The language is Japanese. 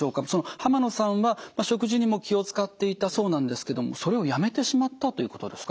濱野さんは食事にも気を遣っていたそうなんですけどもそれをやめてしまったということですか？